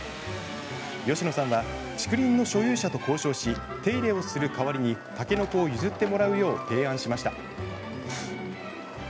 吉野さんは竹林の所有者と交渉し手入れをする代わりにタケノコを譲ってもらうよう提案しました。